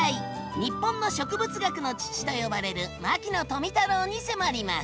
「日本の植物学の父」と呼ばれる牧野富太郎に迫ります！